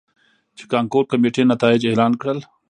،چې کانکور کميټې نتايج اعلان کړل.